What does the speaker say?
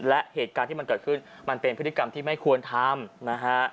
และเหตุการณ์ที่มันเกิดขึ้นมันเป็นพฤติกรรมที่ไม่ควรทำนะฮะ